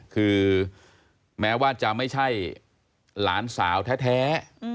คือแม้ว่าจะไม่ใช่หลานสาวแท้